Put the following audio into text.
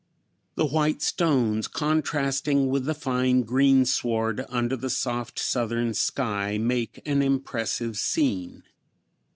The white stones contrasting with the fine greensward under the soft Southern sky make an impressive scene.